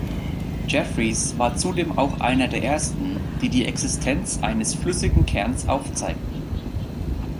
Jeffreys war zudem auch einer der ersten, die die Existenz eines flüssigen Kerns aufzeigten.